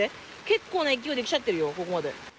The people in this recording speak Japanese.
結構な勢いで来ちゃってるよ、ここまで。